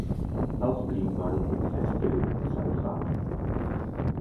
Auch blieb man im festgelegten Zeitrahmen.